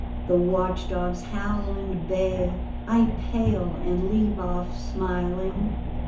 The watch dogs howl and bay; I pale, and leave off »niling.